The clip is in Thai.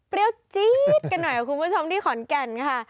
เปรี้ยวจี๊ดกันหน่อยถ้าผู้ผู้ชมที่ขอนแก่นค่ะ